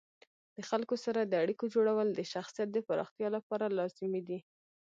د خلکو سره د اړیکو جوړول د شخصیت د پراختیا لپاره لازمي دي.